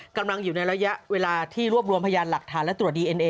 กำลังอยู่ในระยะเวลาที่รวบรวมพยานหลักฐานและตรวจดีเอ็นเอ